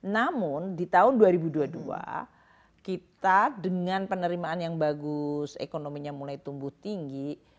namun di tahun dua ribu dua puluh dua kita dengan penerimaan yang bagus ekonominya mulai tumbuh tinggi